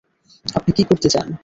আপনি কি করতে চান?